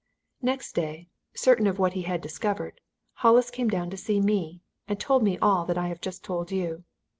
"Next day, certain of what he had discovered, Hollis came down to see me, and told me all that I have just told you.